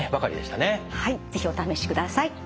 はい是非お試しください。